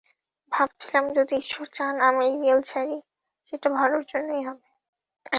ভাবছিলাম, যদি ঈশ্বর চান আমি রিয়াল ছাড়ি, সেটা ভালোর জন্যই হবে।